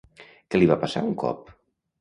Què li va passar un cop?